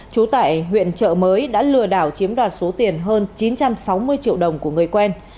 trú tại huyện trợ mới đã lừa đảo chiếm đoạt số tiền hơn chín trăm sáu mươi triệu đồng của người quen